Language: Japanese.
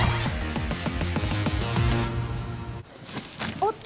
おっと！